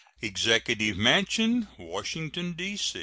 EXECUTIVE MANSION, _Washington, D.